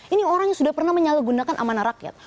ini orang yang sudah pernah menyalahgunakan amanah rakyat